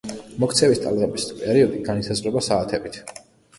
მოქცევის ტალღების პერიოდი განისაზღვრება საათებით.